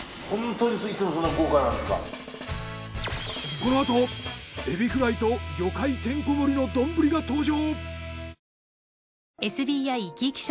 このあとエビフライと魚介てんこ盛りの丼が登場。